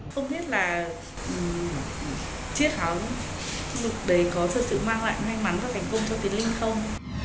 không biết là chiếc áo ngực đấy có sự sự mang lại may mắn và thành công cho tiến linh không